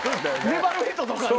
粘る人とかな。